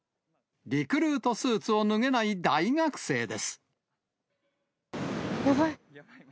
リクルートスーツを脱げないやばい。